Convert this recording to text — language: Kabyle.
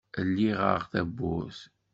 Lli-aɣ tawwurt.